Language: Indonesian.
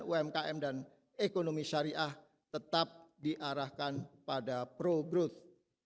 umkm dan ekonomi syariah tetap diarahkan pada pro growth